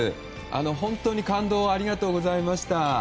本当に感動をありがとうございました。